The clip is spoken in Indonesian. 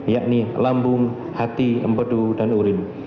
yakni lambung hati empedu dan urin